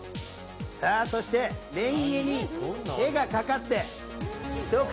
そして、レンゲに手がかかってひと口。